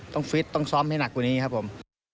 ฟิตต้องซ้อมให้หนักกว่านี้ครับผม